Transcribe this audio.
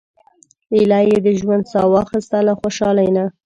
ایله یې د ژوند سا واخیسته له خوشالۍ نه.